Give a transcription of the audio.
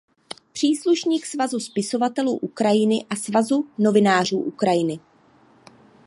Příslušník Svazu spisovatelů Ukrajiny a Svazu novinářů Ukrajiny.